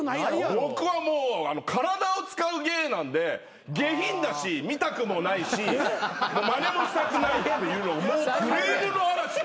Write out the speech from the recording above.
僕はもう体を使う芸なんで下品だし見たくもないしまねもしたくないっていうもうクレームの嵐。